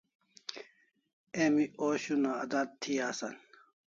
Emi osh una adat thi asan